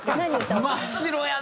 真っ白やな。